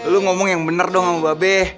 lu ngomong yang bener dong sama mbak be